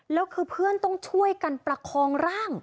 แล้วคือเพื่อนต้องช่วยกันประคองร่าง